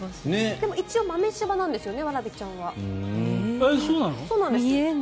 でも一応豆しばなんですよね